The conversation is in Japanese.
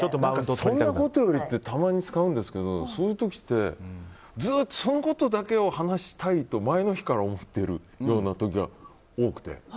そんなことよりってたまに使うんですけどそういう時ってずっとそのことだけを話したいと前の日から思ってる時が多くて。